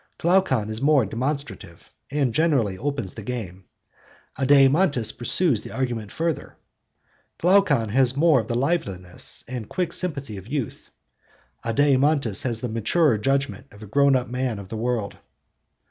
Glaucon is more demonstrative, and generally opens the game. Adeimantus pursues the argument further. Glaucon has more of the liveliness and quick sympathy of youth; Adeimantus has the maturer judgment of a grown up man of the world.